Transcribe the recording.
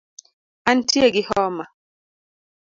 Antie gi homa